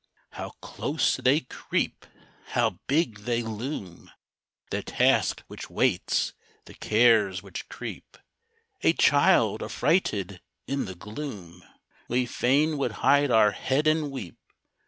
How close they creep! How big they loom! The Task which waits, the Cares which creep; A child, affrighted in the gloom, We fain would hide our head and weep.